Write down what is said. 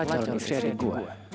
carla cari istri adik gue